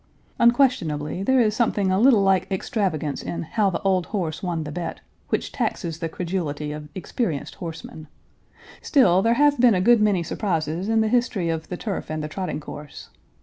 Unquestionably there is something a little like extravagance in "How the Old Horse won the Bet," which taxes the credulity of experienced horsemen. Still there have been a good many surprises in the history of the turf and the trotting course.